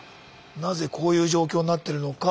なぜこういう状況になってるのか。